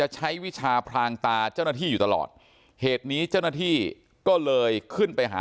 ใช้วิชาพรางตาเจ้าหน้าที่อยู่ตลอดเหตุนี้เจ้าหน้าที่ก็เลยขึ้นไปหา